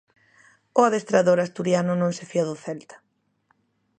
O adestrador asturiano non se fía do Celta.